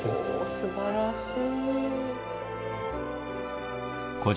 すばらしい。